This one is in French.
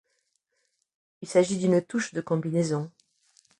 Il s’agit d’une touche de combinaison.